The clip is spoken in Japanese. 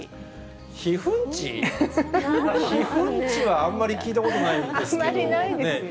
避粉地はあんまり聞いたことないですけど。